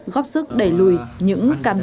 góp sức đẩy lùi những cam rỗ